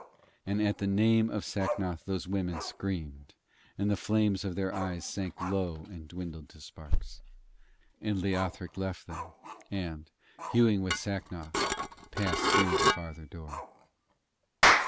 And at the name of Sacnoth those women screamed, and the flames of their eyes sank low and dwindled to sparks. And Leothric left them, and, hewing with Sacnoth, passed through the farther door.